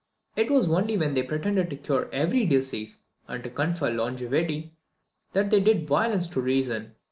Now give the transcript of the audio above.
It was only when they pretended to cure every disease, and to confer longevity, that they did violence to reason.